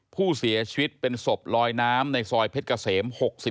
ผู้เสียชีวิตเป็นศพลอยน้ำในซอยเพชรเกษม๖๔